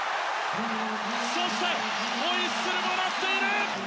そして、ホイッスルも鳴っている！